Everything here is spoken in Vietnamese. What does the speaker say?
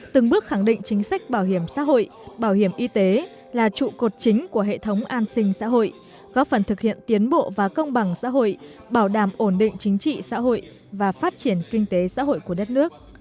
từng bước khẳng định chính sách bảo hiểm xã hội bảo hiểm y tế là trụ cột chính của hệ thống an sinh xã hội góp phần thực hiện tiến bộ và công bằng xã hội bảo đảm ổn định chính trị xã hội và phát triển kinh tế xã hội của đất nước